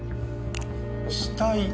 死体？